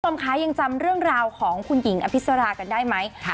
ท่านค้ายังจำเรื่องราวของคุณหญิงอพิษรากันได้ไหม